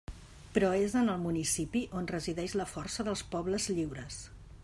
Però és en el municipi on resideix la força dels pobles lliures.